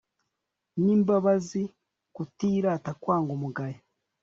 n'imbabazi, kutirata, kwanga umugayo